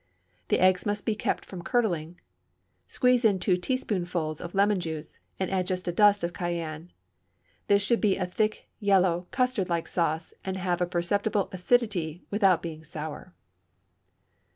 The eggs must be kept from curdling. Squeeze in two teaspoonfuls of lemon juice, and add just a dust of cayenne. This should be a thick, yellow, custard like sauce, and have a perceptible acidity without being sour.